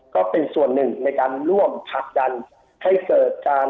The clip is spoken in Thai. ก็เป็นส่วนนึงในการร่วมผลักดันให้เกิดการที่เราต้องการ